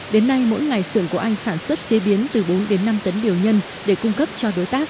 đến nay mỗi ngày sưởng của anh sản xuất chế biến từ bốn đến năm tấn điều nhân để cung cấp cho đối tác